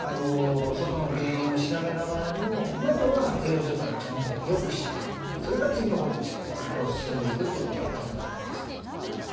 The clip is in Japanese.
外の原因を調べながらもまずは栄養状態をちゃんとよくしてそれから次の事にステップを進んでいくという事が大事だと思うんです。